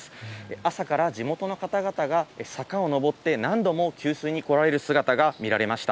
朝から地元の方々が坂を上って何度も給水に来られる姿が見られました。